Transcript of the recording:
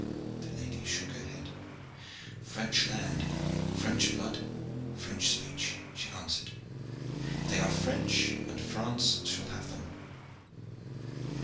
The lady shook her head. "French land, French blood, French speech," she answered. "They are French, and France shall have them."